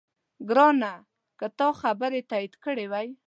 ګرانه! که تا خبرې تایید کړې وای،